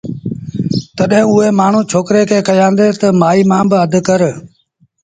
تڏهيݩ اُئي مآڻهوٚ ڇوڪري کي ڪهيآݩدي تا مآئيٚ مآݩ با اڌ ڪر